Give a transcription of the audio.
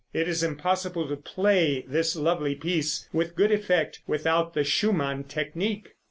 It is impossible to play this lovely piece with good effect without the Schumann technique.